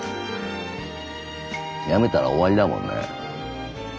やめたら終わりだもんね。